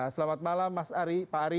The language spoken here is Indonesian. selamat malam mas ari pak ari